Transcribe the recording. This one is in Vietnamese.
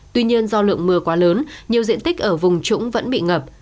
tuy nhiên do lượng mưa quá lớn nhiều diện tích ở vùng trũng vẫn bị ngập